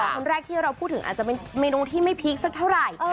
คนแรกที่เราพูดถึงอาจจะเป็นเมนูที่ไม่พีคสักเท่าไหร่